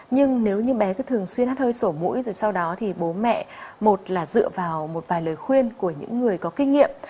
nhưng nếu như bé cứ thường xuyên hát hơi sổ mũi rồi sau đó thì bố mẹ một là dựa vào một vài lời khuyên của những người có kinh nghiệm